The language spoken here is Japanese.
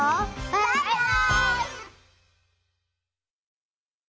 バイバイ！